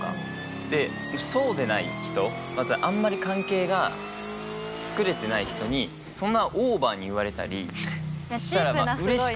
でそうでない人またあんまり関係が作れてない人にそんなオーバーに言われたりしたらうれしくない。